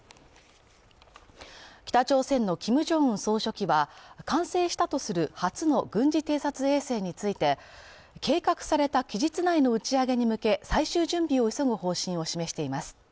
北朝鮮のキム・ジョンウン総書記は完成したとする初の軍事偵察衛星について計画された期日内の打ち上げに向け最終準備を急ぐ方針を示しています。